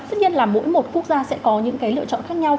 tất nhiên là mỗi một quốc gia sẽ có những cái lựa chọn khác nhau